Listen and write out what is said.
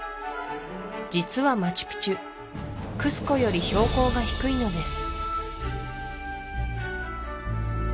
実はマチュピチュクスコより標高が低いのです